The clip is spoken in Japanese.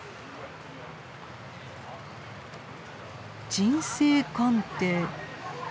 人生鑑定。